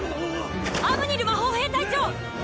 アムニル魔法兵隊長！